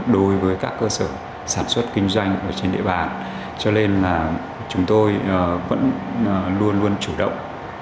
đối với các cơ sở sản xuất kinh doanh ở trên địa bàn cho nên là chúng tôi vẫn luôn luôn chủ động